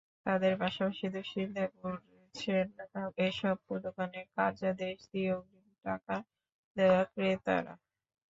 তাঁদের পাশাপাশি দুশ্চিন্তায় পড়েছেন এসব দোকানে কার্যাদেশ দিয়ে অগ্রিম টাকা দেওয়া ক্রেতারা।